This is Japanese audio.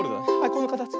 このかたち。